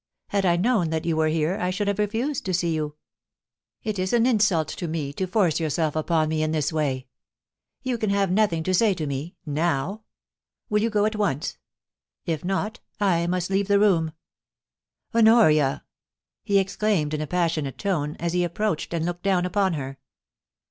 Had I known that you were here, I should have refused to see you. It is an insult to me to force yourself upon me in this way. You can have nothing 432 POLICY AND PASSION. to say to me — now ! Will you go away at once ? If not, I must leave the room.' ' Honoria !' he exclaimed in a passionate tone, as he ap proached and looked down upon her.